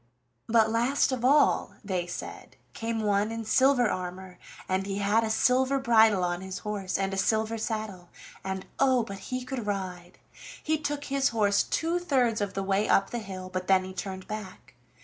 "But last of all," they said, "came one in silver armor, and he had a silver bridle on his horse, and a silver saddle, and oh, but he could ride! He took his horse two thirds of the way up the hill, but then he turned back.